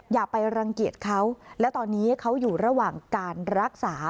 อย่าไปรังเกียจเขาและตอนนี้เขาอยู่ระหว่างการรักษา